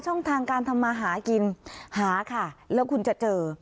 ช่องทางการทำมาหากินหาค่ะแล้วคุณจะเจอ